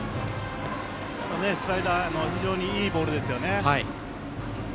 今のスライダー非常にいいボールですよね。